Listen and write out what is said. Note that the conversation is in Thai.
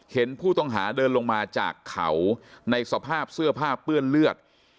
เห็นผู้ต้องหาเดินลงมาจากเขาในสภาพเสื้อผ้าเปื้อนเลือด